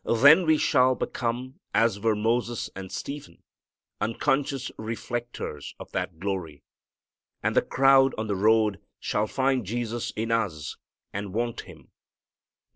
Then we shall become, as were Moses and Stephen, unconscious reflectors of that glory. And the crowd on the road shall find Jesus in us and want Him.